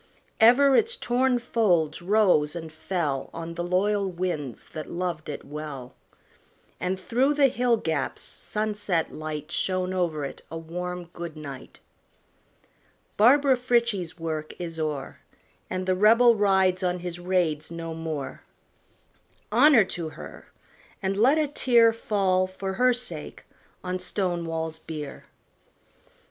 Ever its torn folds rose and fell On the loyal winds that loved it well; And through the hill gaps sunset light Shone over it a warm good night. Barbara Frietchie's work is o'er. And the Rebel rides on his raids no more. Honor to her! and let a tear Fall, for her sake, on Stonewall's bier.